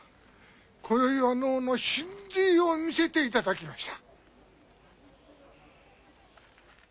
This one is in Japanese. こよいは能の神髄を見せていただきました。